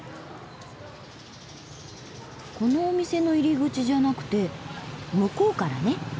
このお店の入り口じゃなくて向こうからね。